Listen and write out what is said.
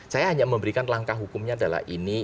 saya hanya memberikan langkah hukumnya adalah ini